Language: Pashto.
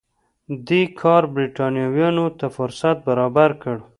دې کار برېټانویانو ته فرصت برابر کړ.